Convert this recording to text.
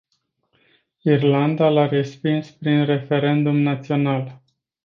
Irlanda l-a respins prin referendum național.